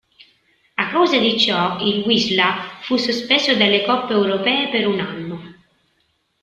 A causa di ciò il Wisła fu sospeso dalle coppe europee per un anno.